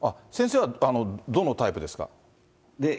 先生はどのタイプですか？